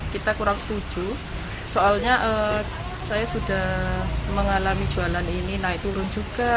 kita kurang setuju soalnya saya sudah mengalami jualan ini naik turun juga